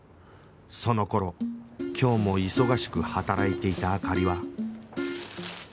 その頃今日も忙しく働いていた灯は